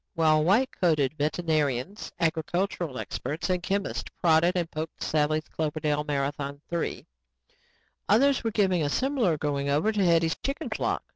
While white coated veterinarians, agricultural experts and chemists prodded and poked Sally's Cloverdale Marathon III, others were giving a similar going over to Hetty's chicken flock.